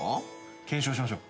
検証しましょう。